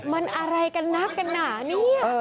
มันอะไรกันนักกันหนาเนี่ย